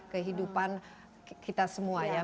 kehidupan kita semua ya